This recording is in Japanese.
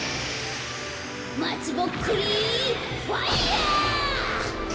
まつぼっくりファイアー！